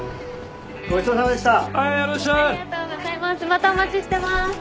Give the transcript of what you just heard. またお待ちしてます。